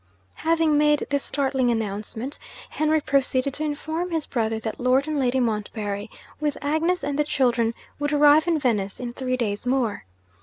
Having made this startling announcement, Henry proceeded to inform his brother that Lord and Lady Montbarry, with Agnes and the children, would arrive in Venice in three days more.